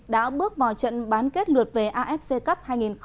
đã bước vào trận bán kết lượt về afc cup hai nghìn một mươi chín